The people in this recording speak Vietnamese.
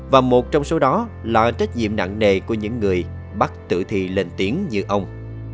và một trong số đó là trách nhiệm nặng nề của những người bắt tử thi lên tiếng như ông